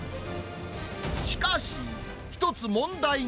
しかし、一つ問題が。